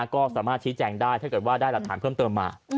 ก็สามารถชี้แจงได้ถ้าเกิดว่าได้หลักฐานเพิ่มเติมมา